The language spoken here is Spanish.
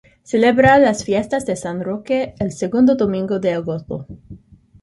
Celebra las fiestas de San Roque el segundo domingo de agosto.